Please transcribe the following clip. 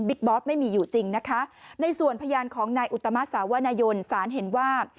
บอสไม่มีอยู่จริงนะคะในส่วนพยานของนายอุตมะสาวนายนสารเห็นว่า